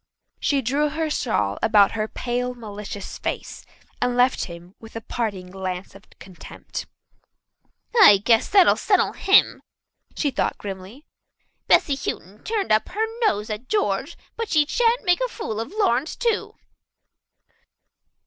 She drew her shawl about her pale, malicious face and left him with a parting glance of contempt. "I guess that'll settle him," she thought grimly. "Bessy Houghton turned up her nose at George, but she shan't make a fool of Lawrence too."